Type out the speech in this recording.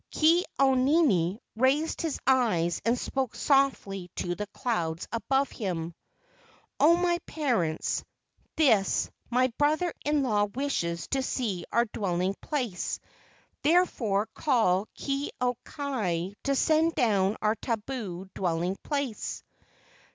Ke au nini raised his eyes and spoke softly to the clouds above him: "O my parents, this my brother in law wishes to see our dwelling place, therefore call Ke au kai to send down our tabu dwelling place."